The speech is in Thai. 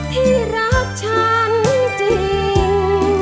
ที่รักฉันจริง